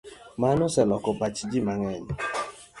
Mano oseloko pach ji mang'eny.